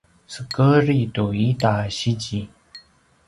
sekedri tu ita a sizi